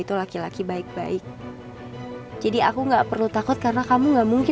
tadi mama ketiduran ren maafin yuk